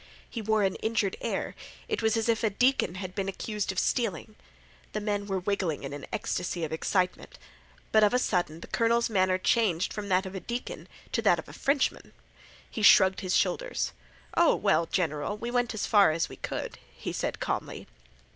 He wore an injured air; it was as if a deacon had been accused of stealing. The men were wiggling in an ecstasy of excitement. But of a sudden the colonel's manner changed from that of a deacon to that of a Frenchman. He shrugged his shoulders. "Oh, well, general, we went as far as we could," he said calmly.